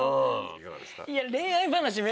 いかがでした？